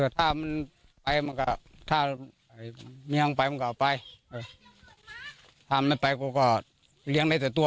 ถ้ามันไปมันก็ไปถ้ามันไม่ไปก็เรียงได้แต่ตัว